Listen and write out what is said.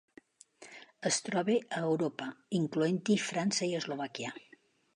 Es troba a Europa, incloent-hi França i Eslovàquia.